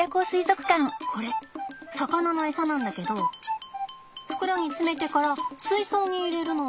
これ魚のエサなんだけど袋に詰めてから水槽に入れるの。